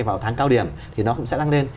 vào tháng cao điểm thì nó cũng sẽ tăng lên